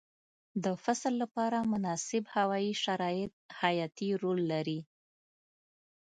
د فصل لپاره مناسب هوايي شرایط حیاتي رول لري.